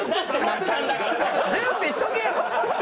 準備しとけよ！